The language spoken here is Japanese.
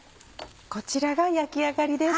こちらが焼き上がりです。